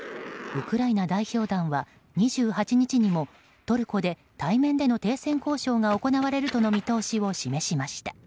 ウクライナ代表団は２８日にも、トルコで対面での停戦交渉が行われるとの見通しを示しました。